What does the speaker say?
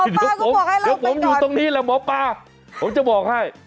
หมอป่าก็บอกให้เราไปก่อนเดี๋ยวผมอยู่ตรงนี้แหละหมอป่าผมจะบอกให้